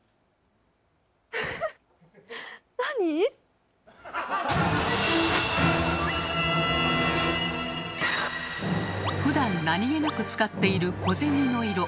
フフフッなに⁉ふだん何気なく使っている小銭の色。